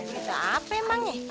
berita apa emang ya